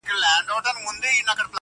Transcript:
نن مي خیال خمار خمار لکه خیام دی,